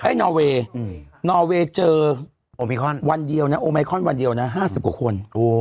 นอเวย์นอเวย์เจอโอมิคอนวันเดียวนะโอไมคอนวันเดียวนะ๕๐กว่าคน